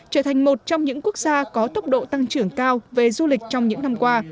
trở thành một trong những quốc gia có tốc độ tăng trưởng cao về du lịch trong những năm qua